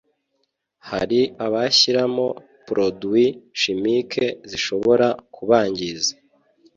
hari abashyiramo produits chimiques zishobora kubangiza